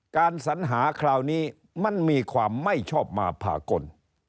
สัญหาคราวนี้มันมีความไม่ชอบมาพากล